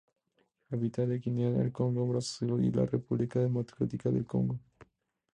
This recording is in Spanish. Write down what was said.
Habita en Guinea el Congo Brazzaville y la República Democrática del Congo